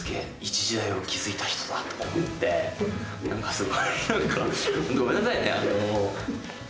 すごい何かごめんなさいね。